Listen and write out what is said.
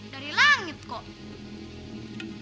dari langit kok